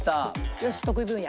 よし得意分野。